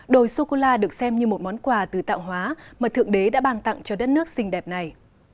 đồi sô cô la được xem như một món quà từ tạo hóa mà thượng đế đã bàn tặng cho đất nước xinh đẹp này